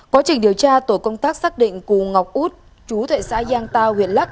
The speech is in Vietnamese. quá trình điều tra tổ công tác xác định cù ngọc út chú tại xã giang tàu huyện lắc